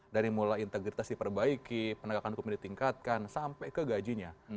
dari mulai integritas diperbaiki penegakan hukumnya ditingkatkan sampai ke gajinya